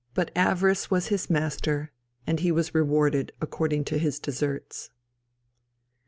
] but avarice was his master, and he was rewarded according to his deserts. [Footnote: Cf.